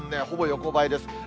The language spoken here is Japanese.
ほぼ横ばいです。